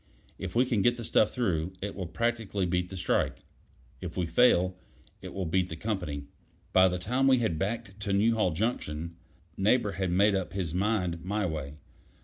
If we can get the stuff through, it will practically beat the strike. If we fail, it will beat the company." By the time we had backed to Newhall Junction, Neighbor had made up his mind my way.